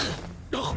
あっ！